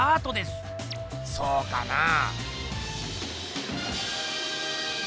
そうかなぁ。